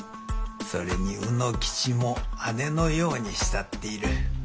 それに卯之吉も姉のように慕っている。